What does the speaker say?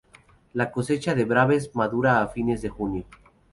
La cosecha de Brevas madura a fines de junio.